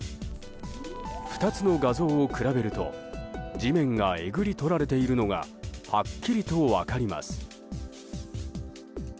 ２つの画像を比べると地面がえぐり取られているのがはっきりと分かります。